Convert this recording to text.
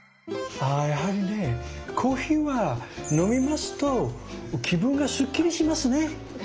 ああやはりねコーヒーは飲みますと気分がスッキリしますね。